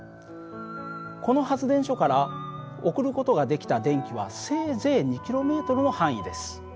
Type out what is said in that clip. この発電所から送る事ができた電気はせいぜい２ｋｍの範囲です。